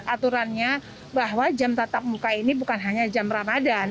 aturannya bahwa jam tatap muka ini bukan hanya jam ramadan